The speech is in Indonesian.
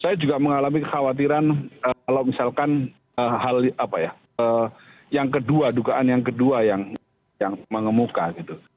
saya juga mengalami kekhawatiran kalau misalkan hal apa ya yang kedua dugaan yang kedua yang mengemuka gitu